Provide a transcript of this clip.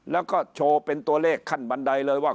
แล้วก็โชว์เป็นตัวเลขขั้นบันไดเลยว่า